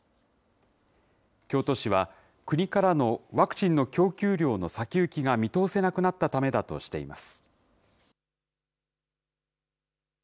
京都市は、国からのワクチンの供給量の先行きが見通せなくなったためだとしています。